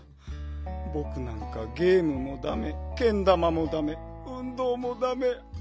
ぼくなんかゲームもダメけん玉もダメうんどうもダメ。